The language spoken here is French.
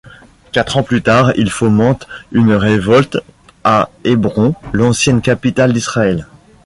Quatre ans plus tard, il fomente une révolte à Hébron, l'ancienne capitale d'Israël.